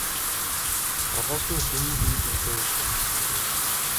Маргааш нь хэн нь бие биедээ үг дуугарсангүй.